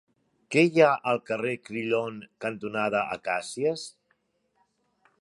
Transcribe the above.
Què hi ha al carrer Crillon cantonada Acàcies?